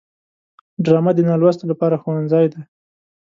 ډرامه د نالوستو لپاره ښوونځی دی